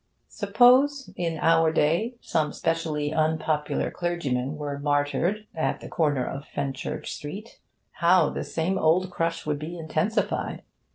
Suppose that in our day some specially unpopular clergyman were martyred 'at the corner of Fenchurch Street,' how the 'same old crush' would be intensified!